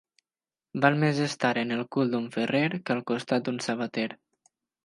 Val més estar en el cul d'un ferrer, que al costat d'un sabater.